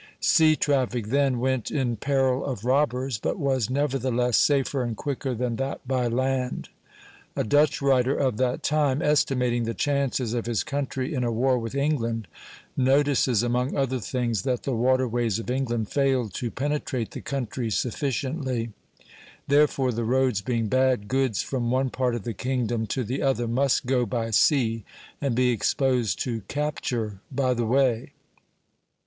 Sea traffic then went in peril of robbers, but was nevertheless safer and quicker than that by land. A Dutch writer of that time, estimating the chances of his country in a war with England, notices among other things that the water ways of England failed to penetrate the country sufficiently; therefore, the roads being bad, goods from one part of the kingdom to the other must go by sea, and be exposed to capture by the way.